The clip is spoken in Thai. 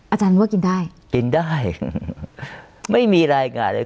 อาจารย์ว่ากินได้กินได้ไม่มีรายงานเลย